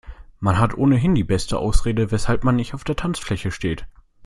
Man hat ohnehin die beste Ausrede, weshalb man nicht auf der Tanzfläche steht.